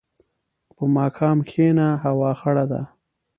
په ماښام کښېنه، هوا خړه ده.